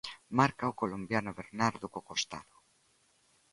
Marca o colombiano Bernardo co costado.